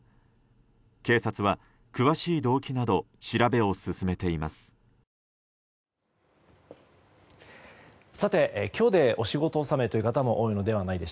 警察は詳しい動機など調べを進めています。